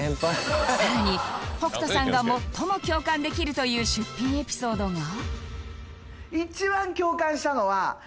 さらに北斗さんが最も共感できるという出品エピソードが